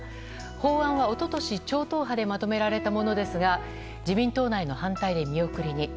法案は、一昨年超党派でまとめられたものですが自民党内の反対で見送りに。